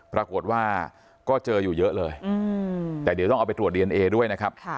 ปรากฏว่าก็เจออยู่เยอะเลยแต่เดี๋ยวต้องเอาไปตรวจดีเอนเอด้วยนะครับ